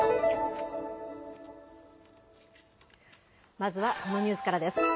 まずはこのニュースからです。